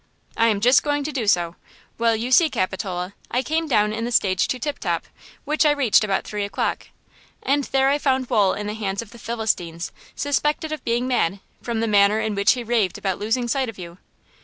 "I am just going to do so. Well, you see Capitola, I came down in the stage to Tip Top, which I reached about three o'clock. And there I found Wool in the hands of the Philistines, suspected of being mad, from the manner in which he raved about losing sight of you.